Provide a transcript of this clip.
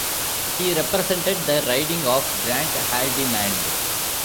He represented the riding of Brant-Haldimand.